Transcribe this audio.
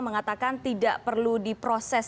mengatakan tidak perlu diproses